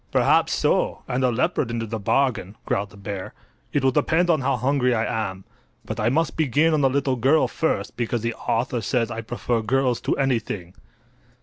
"Perhaps so, and a leopard into the bargain," growled the bear. "It will depend on how hungry I am. But I must begin on the little girl first, because the author says I prefer girls to anything."